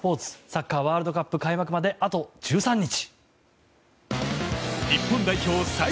サッカーワールドカップ開幕まであと１３日。